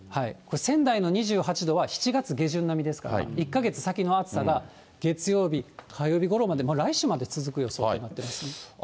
仙台の２８度は７月下旬並みですから、１か月先の暑さが月曜日、火曜日ごろまで、来週まで続く予想となっていますね。